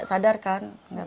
tak sadarkan diri